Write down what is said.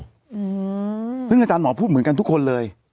อืมซึ่งอาจารย์หมอพูดเหมือนกันทุกคนเลย